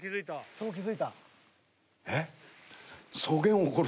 そこ気付いた。